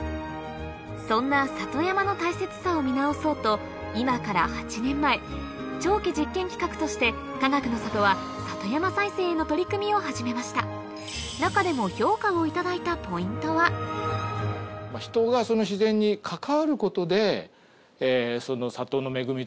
そんな里山の大切さを見直そうと今から８年前長期実験企画としてかがくの里は里山再生への取り組みを始めました中でも里の恵みとしてのお米やさまざまな畑の野菜や農作物。